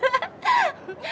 saya ibu remi